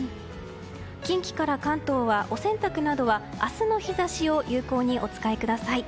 近畿から関東はお洗濯などは明日の日差しを有効にお使いください。